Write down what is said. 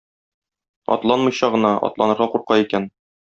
Атланмыйча гына, атланырга курка икән.